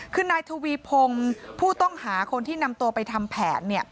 คือนายทวีพงศ์ผู้ต้องหาคนที่นำตัวไปทำแผน